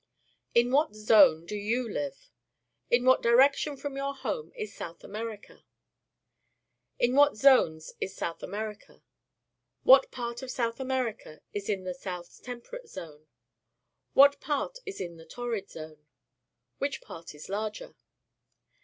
In what zone do you live? In what direction from your home is South America? In what zones is South America? What part of South America is in the South Temperate Zone? What part in the Torrid Zone? Which part is the larger?